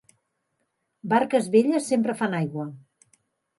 Barques velles sempre fan aigua.